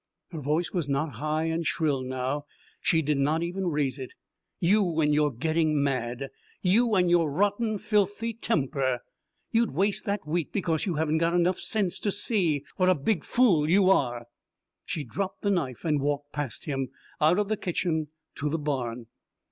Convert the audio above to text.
Her voice was not high and shrill now; she did not even raise it. "You and your getting mad! You and your rotten, filthy temper! You'd waste that wheat because you haven't got enough sense to see what a big fool you are." She dropped the knife and walked past him, out of the kitchen, to the barn.